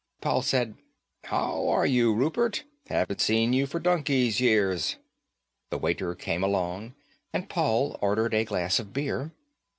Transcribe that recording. Paul said, "How are you, Rupert? Haven't seen you for donkey's years." The waiter came along and Paul ordered a glass of beer.